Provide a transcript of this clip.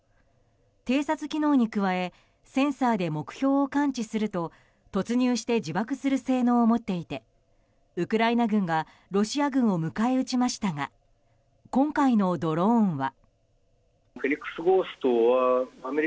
偵察機能に加えセンサーで目標を感知すると突入して自爆する性能を持っていてウクライナ軍がロシア軍を迎え撃ちましたが今回のドローンは。